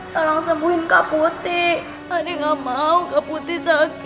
tolong sembuhin kak putih